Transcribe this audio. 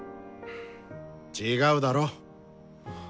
違うだろ？